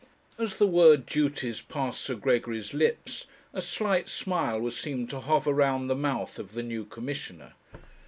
As the word duties passed Sir Gregory's lips a slight smile was seen to hover round the mouth of the new commissioner.